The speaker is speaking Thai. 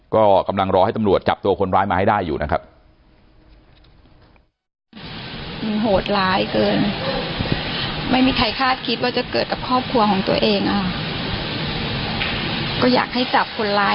ก็กำลังรอให้ตำรวจจับตัวคนร้ายมาให้ได้อยู่นะครับ